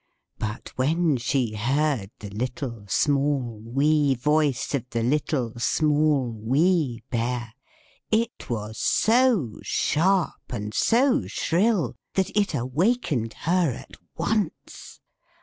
But when she heard the little, small, wee voice of the Little, Small, Wee Bear, it was so sharp and shrill that it woke her up at once.